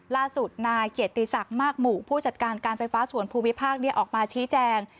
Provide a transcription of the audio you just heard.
ล่าสุดนายเกียรติศักดิ์มากหมู่ผู้จัดการการไฟฟ้าส่วนภูมิภาคออกมาชี้แจง